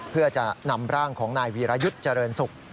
เพื่อจะนำร่างของนายวีรยุทธ์เจริญศุกร์